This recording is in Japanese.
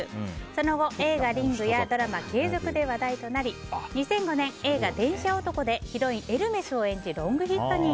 その後、映画「リング」やドラマ「ケイゾク」で話題となり２００５年、映画「電車男」でヒロイン、エルメスを演じロングヒットに。